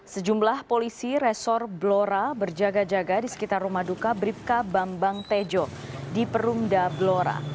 sejumlah polisi resor blora berjaga jaga di sekitar rumah duka bribka bambang tejo di perumda blora